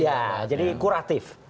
ya jadi kuratif